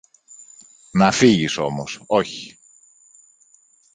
Να φύγεις όμως, όχι!